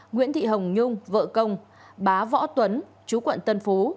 nguyễn thị hồng nhung vợ công bá võ tuấn chú quận tân phú